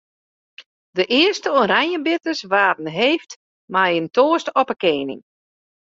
De earste oranjebitters waarden heefd mei in toast op 'e koaning.